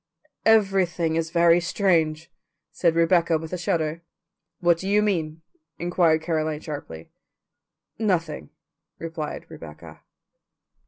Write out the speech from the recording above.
"Everything is very strange," said Rebecca with a shudder. "What do you mean?" inquired Caroline sharply. "Nothing," replied Rebecca.